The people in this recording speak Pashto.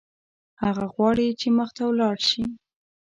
هغه غواړي چې مخته ولاړ شي.